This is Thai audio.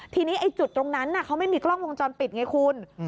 ทีนี้ไอ้จุดตรงนั้นเขาไม่มีกล้องวงจรปิดไงคุณ